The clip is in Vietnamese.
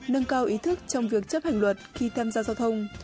nâng cao ý thức trong việc chấp hành luật khi tham gia giao thông